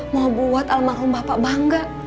mau buat almarhum bapak bangga